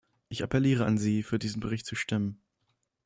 Ich appelliere an Sie, für diesen Bericht zu stimmen!